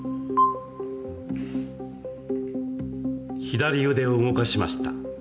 左腕を動かしました。